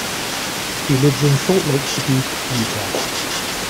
He lives in Salt Lake City, Utah.